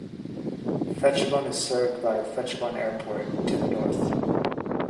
Phetchabun is served by Phetchabun Airport, to the north.